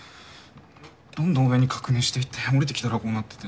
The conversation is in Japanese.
どんどん上に確認していって降りてきたらこうなってて。